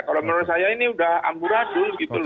kalau menurut saya ini sudah amburadul gitu loh